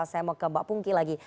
saya mau ke mbak pungki lagi